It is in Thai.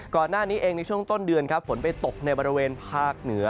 ก่อนหน้านี้เองในช่วงต้นเดือนครับฝนไปตกในบริเวณภาคเหนือ